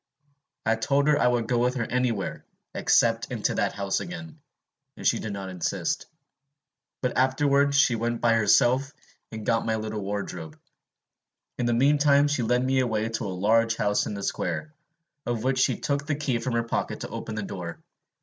I told her I would go with her anywhere, except into that house again; and she did not insist, but afterwards went by herself and got my little wardrobe. In the mean time she led me away to a large house in a square, of which she took the key from her pocket to open the door.